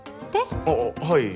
あっはい。